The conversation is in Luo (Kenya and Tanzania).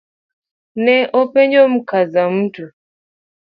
Ne openjo Mkazamtu